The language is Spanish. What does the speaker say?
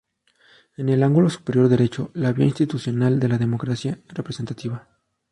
En el ángulo superior derecho, la vía institucional de la democracia representativa.